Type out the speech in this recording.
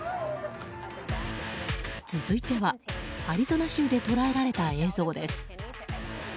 続いてはアリゾナ州で捉えられた映像です。